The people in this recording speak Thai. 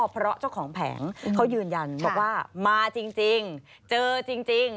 เพราะเจ้าของแผงเขายืนยันบอกว่ามาจริงเจอจริง